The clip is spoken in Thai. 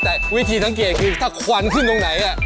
แต่วิธีทำเกลียดคือถ้าขวันขึ้นตรงไหนอะ